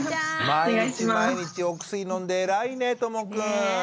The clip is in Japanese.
毎日毎日お薬飲んで偉いねともくん。